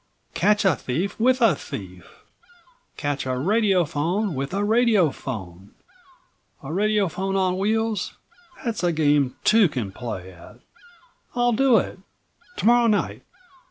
Catch a thief with a thief. Catch a radiophone with a radiophone. A radiophone on wheels? That's a game two can play at. I'll do it! To morrow night."